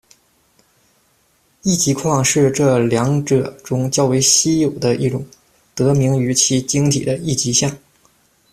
异极矿是这两者中较为稀有的一种，得名于其晶体的异极象。